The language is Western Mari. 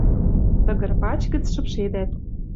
Тыгыр пач гӹц шыпшедӓт.